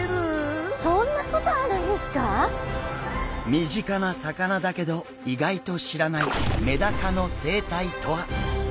身近な魚だけど意外と知らないメダカの生態とは？